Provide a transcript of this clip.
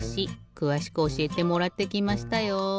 くわしくおしえてもらってきましたよ。